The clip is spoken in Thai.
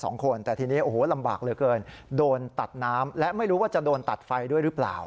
โอ้โหลำบากเลยเกินโดนตัดน้ำและไม่รู้ว่าจะโดนตัดไฟด้วยหรือเปล่า